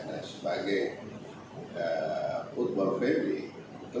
nah sebagai put ball family